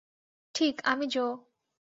ঠিক, আমি জো।